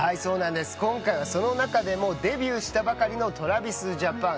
今回はその中でもデビューしたばかりのＴｒａｖｉｓＪａｐａｎ。